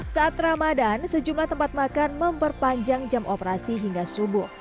saat ramadan sejumlah tempat makan memperpanjang jam operasi hingga subuh